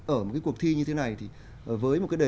ở một cái cuộc thi như thế này thì với một cái đề